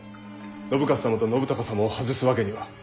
信雄様と信孝様を外すわけには。